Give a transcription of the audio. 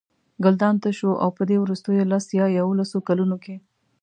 ګلدان تش و او په دې وروستیو لس یا یوولسو کلونو کې.